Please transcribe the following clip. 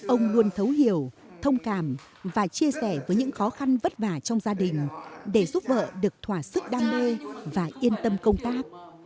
ông luôn thấu hiểu thông cảm và chia sẻ với những khó khăn vất vả trong gia đình để giúp vợ được thỏa sức đam mê và yên tâm công tác